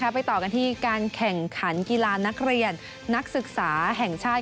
ไปต่อกันที่การแข่งขันกีฬานักเรียนนักศึกษาแห่งชาติ